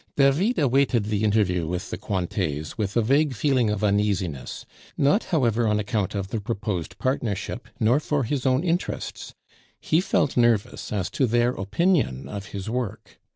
David awaited the interview with the Cointets with a vague feeling of uneasiness; not, however, on account of the proposed partnership, nor for his own interests he felt nervous as to their opinion of his work.